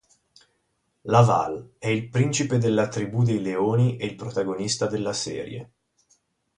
Laval: È il principe della tribù dei leoni e il protagonista della serie.